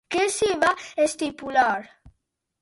Què s'hi va estipular?